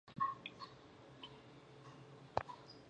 د روښانه افغانستان په هیله.